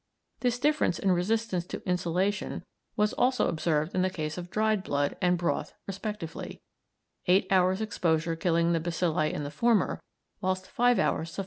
This difference in resistance to insolation was also observed in the case of dried blood and broth respectively eight hours' exposure killing the bacilli in the former, whilst five hours sufficed in the latter.